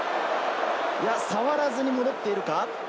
触らずに戻っているか。